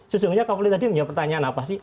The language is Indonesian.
sesungguhnya kapolri tadi menjawab pertanyaan apa sih